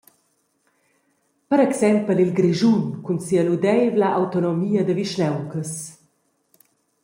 Per exempel il Grischun cun sia ludeivla autonomia da vischnauncas.